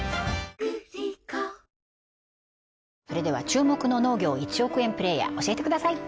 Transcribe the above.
注目の農業１億円プレイヤー教えてください